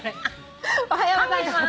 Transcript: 「おはようございます」